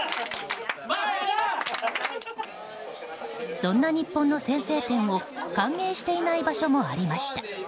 そんな日本の先制点を歓迎していない場所もありました。